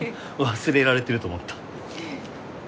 忘れられてると思った。